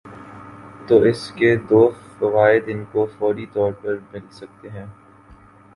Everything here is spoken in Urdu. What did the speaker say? تو اس کے دو فوائد ان کو فوری طور پر مل سکتے ہیں۔